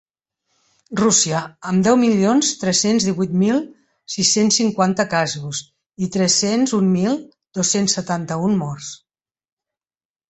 Rússia, amb deu milions tres-cents divuit mil sis-cents cinquanta casos i tres-cents un mil dos-cents setanta-un morts.